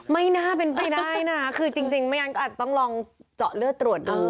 ไม่น่าเป็นไปได้นะคือจริงไม่งั้นก็อาจจะต้องลองเจาะเลือดตรวจดู